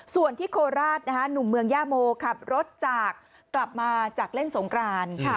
ส่วนที่โคราชหนุ่มเมืองย่าโมขับรถจากกลับมาจากเล่นสงกราน